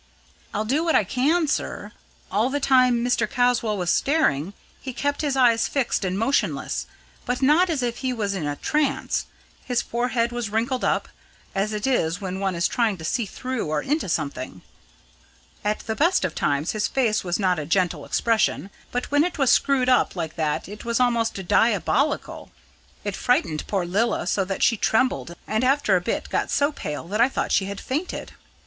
"I'll do what I can, sir. All the time Mr. Caswall was staring, he kept his eyes fixed and motionless but not as if he was in a trance. His forehead was wrinkled up, as it is when one is trying to see through or into something. At the best of times his face has not a gentle expression; but when it was screwed up like that it was almost diabolical. It frightened poor Lilla so that she trembled, and after a bit got so pale that I thought she had fainted.